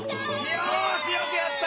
よしよくやった！